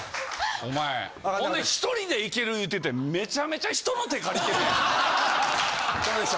お前ほんで１人でいける言うててめちゃめちゃ人の手借りてるやん。